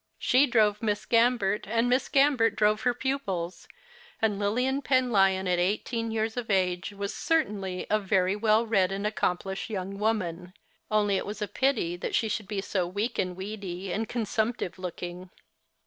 She drove Miss Gambert, and Miss Gambert drove her pupils, and Lilian Penlyon at eighteen years of age was certainly a very well read and accomplished young woman, only it was a pity that she should be so weak and weedy, and consumptive looking.